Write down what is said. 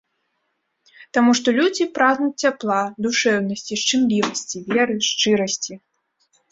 Таму што людзі прагнуць цяпла, душэўнасці, шчымлівасці, веры, шчырасці.